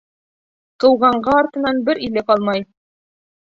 Ҡыуғанға артынан бер иле ҡалмай...